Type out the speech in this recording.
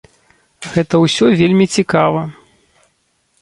Гэта ўсё вельмі цікава.